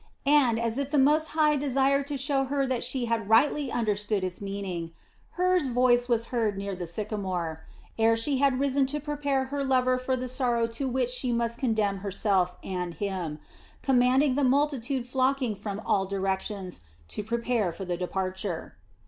And, as if the Most High desired to show her that she had rightly understood its meaning, Hur's voice was heard near the sycamore ere she had risen to prepare her lover for the sorrow to which she must condemn herself and him commanding the multitude flocking from all directions to prepare for the departure.